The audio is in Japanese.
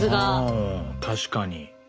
うん確かに。